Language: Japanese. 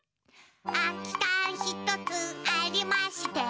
「あきかん１つありまして」